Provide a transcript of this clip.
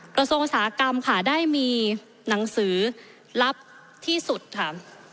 กระทรวงอุตสาหกรรมค่ะได้มีหนังสือลับที่สุดค่ะ